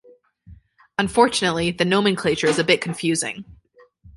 Unfortunately, the nomenclature is a bit confusing.